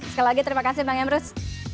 sekali lagi terima kasih bang emrus